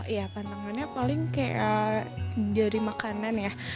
ya pantangannya paling kayak dari makanan ya